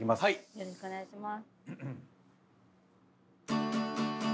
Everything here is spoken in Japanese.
よろしくお願いします。